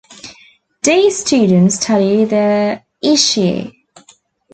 D. students study there each year.